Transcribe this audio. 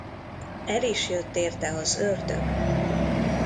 El is jött érte az ördög.